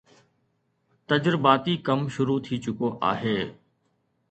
تجرباتي ڪم شروع ٿي چڪو آهي